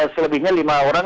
selebihnya lima orang